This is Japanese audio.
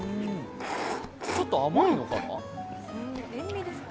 ちょっと甘いのかな？